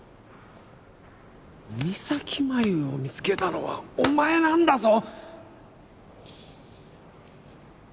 三咲麻有を見つけたのはお前なんだぞ！